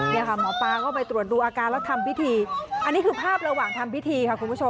นี่ค่ะหมอป๊าก็ไปตรวจดูอาการแล้วทำพิธี